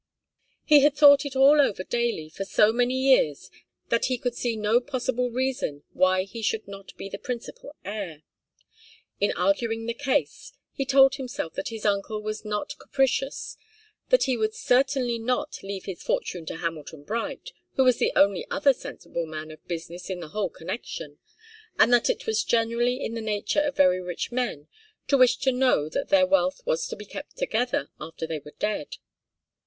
He had thought it all over daily for so many years, that he could see no possible reason why he should not be the principal heir. In arguing the case, he told himself that his uncle was not capricious, that he would certainly not leave his fortune to Hamilton Bright, who was the only other sensible man of business in the whole connection, and that it was generally in the nature of very rich men to wish to know that their wealth was to be kept together after they were dead.